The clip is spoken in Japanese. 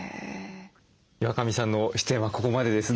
岩上さんの出演はここまでです。